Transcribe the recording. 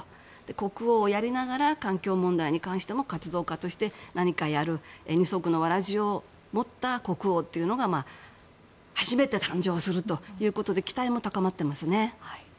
国王をやりながら環境問題に関しても活動家として何かやる、二足のわらじを持った国王というのが初めて誕生するということで期待も高まっていますね。